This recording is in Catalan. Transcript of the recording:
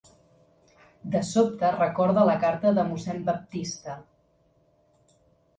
De sobte recorda la carta de mossèn Baptista.